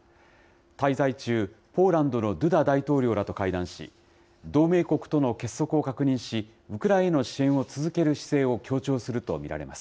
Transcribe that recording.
滞在中、ポーランドのドゥダ大統領らと会談し、同盟国との結束を確認し、ウクライナへの支援を続ける姿勢を強調すると見られます。